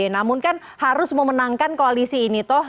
namun kan harus memenangkan koalisi ini toh